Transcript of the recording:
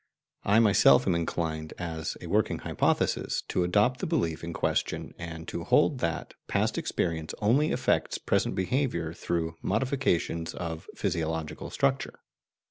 I am myself inclined, as a working hypothesis, to adopt the belief in question, and to hold that past experience only affects present behaviour through modifications of physiological structure.